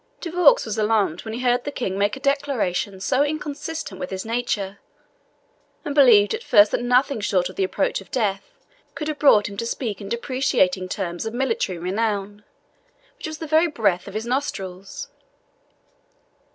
De Vaux was alarmed when he heard the King make a declaration so inconsistent with his nature, and believed at first that nothing short of the approach of death could have brought him to speak in depreciating terms of military renown, which was the very breath of his nostrils.